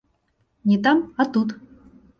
Не там, а тут.